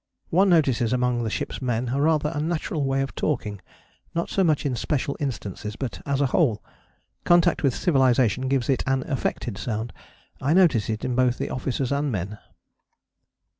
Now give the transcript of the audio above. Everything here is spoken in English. "One notices among the ship's men a rather unnatural way of talking: not so much in special instances, but as a whole, contact with civilization gives it an affected sound: I notice it in both officers and men."